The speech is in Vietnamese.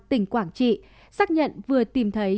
tỉnh quảng trị xác nhận vừa tìm thấy